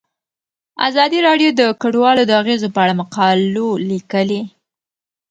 ازادي راډیو د کډوال د اغیزو په اړه مقالو لیکلي.